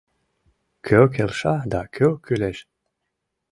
Кӧ келша да кӧ кӱлеш».